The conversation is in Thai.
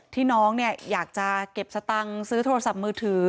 น้องอยากจะเก็บสตังค์ซื้อโทรศัพท์มือถือ